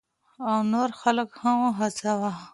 او نور خلک هم هڅوي.